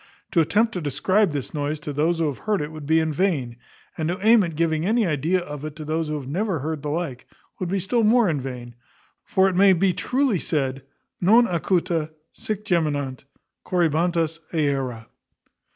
To attempt to describe this noise to those who have heard it would be in vain; and to aim at giving any idea of it to those who have never heard the like, would be still more vain: for it may be truly said _ Non acuta Sic geminant Corybantes aera.